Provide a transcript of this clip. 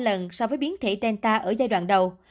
nhưng không phải là biến thể delta ở giai đoạn đầu